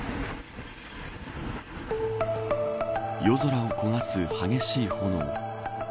夜空を焦がす激しい炎。